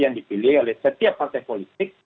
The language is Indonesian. yang dipilih oleh setiap partai politik